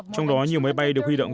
trong đó nhiều máy bay được huy động